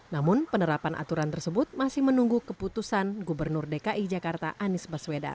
namun penerapan aturan tersebut masih menunggu keputusan gubernur dki jakarta anies baswedan